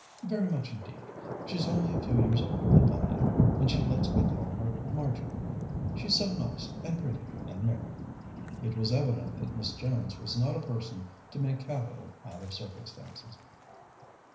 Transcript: "Very much indeed. She's only a few years older than I am, and she lets me call her Marjory. She's so nice and pretty and merry." It was evident that Miss Jones was not a person to make capital out of circumstances.